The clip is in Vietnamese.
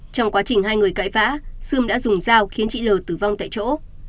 trong quá trình hai người cãi vã sươm đã dùng dao khiến chị l tử vong tại chỗ